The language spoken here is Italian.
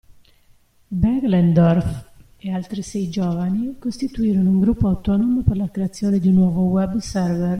Behlendorf e altri sei giovani costituirono un gruppo autonomo per la creazione di un nuovo web server.